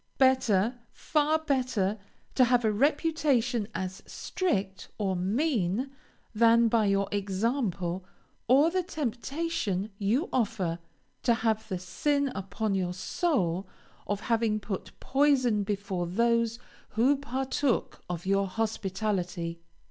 Better, far better, to have a reputation as strict, or mean, than by your example, or the temptation you offer, to have the sin upon your soul of having put poison before those who partook of your hospitality.